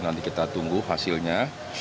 nanti kita tunggu hasilnya